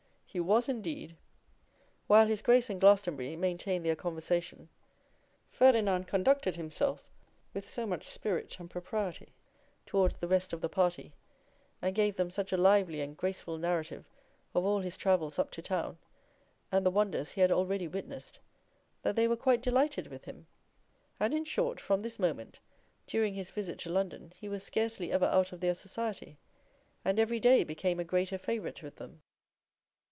he was indeed.' While his Grace and Glastonbury maintained their conversation, Ferdinand conducted himself with so much spirit and propriety towards the rest of the party, and gave them such a lively and graceful narrative of all his travels up to town, and the wonders he had already witnessed, that they were quite delighted with him; and, in short, from this moment, during his visit to London he was scarcely ever out of their society, and every day became a greater favourite with them.